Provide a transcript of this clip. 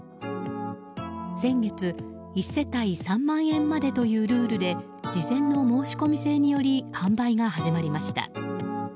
先月１世帯３万円までというルールで事前の申し込み制により販売が始まりました。